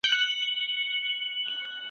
افغانانو خپلواکي څنګه اعلان کړه؟